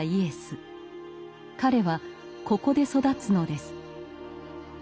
彼はここで育つのです。